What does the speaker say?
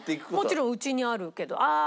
もちろん家にあるけどああ